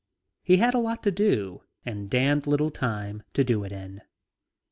He had a lot to do, and damned little time to do it in.